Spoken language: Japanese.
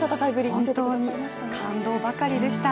本当に感動ばかりでした。